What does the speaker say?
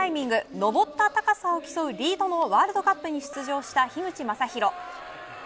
登った高さを競う、リードのワールドカップに出場した樋口純裕。